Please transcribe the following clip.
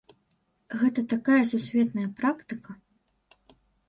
Гэта такая сусветная практыка.